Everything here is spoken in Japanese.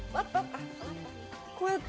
こうやって？